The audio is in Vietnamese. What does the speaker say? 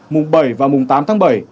mùng bảy và mùng tám tháng bảy